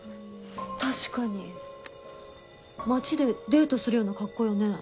確かに街でデートするような格好よね。